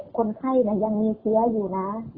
คนไข้ยังมีเชื้ออยู่นะ